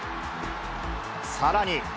さらに。